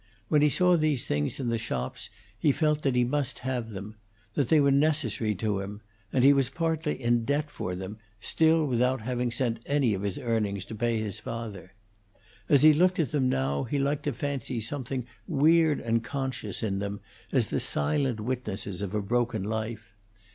When he saw these things in the shops he had felt that he must have them; that they were necessary to him; and he was partly in debt for them, still without having sent any of his earnings to pay his father. As he looked at them now he liked to fancy something weird and conscious in them as the silent witnesses of a broken life.